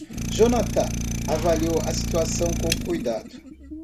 Johnathan avaliou a situação com cuidado.